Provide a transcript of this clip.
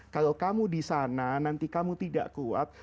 kalau kamu di sana nanti kamu tidak kuat